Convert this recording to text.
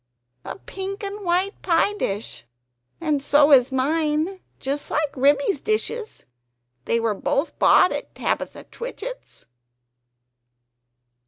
A pink and white pie dish! and so is mine; just like Ribby's dishes; they were both bought at Tabitha Twitchit's."